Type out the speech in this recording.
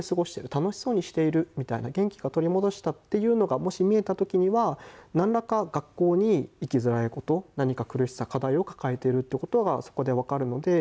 楽しそうにしているみたいな元気を取り戻したっていうのがもし見えた時にはなんらか学校に行きづらいこと何か苦しさ課題を抱えているということはそこで分かるので。